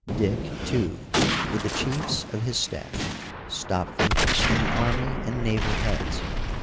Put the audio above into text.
Dick, too, with the chiefs of his staff, Stopford, and the army and naval heads.